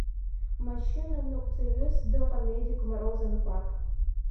Машьы-наныҟәцаҩыс дыҟан Едик Мороз Анқәаб.